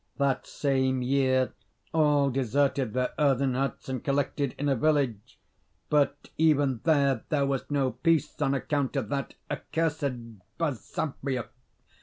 That same year, all deserted their earthen huts and collected in a village; but even there there was no peace on account of that accursed Basavriuk.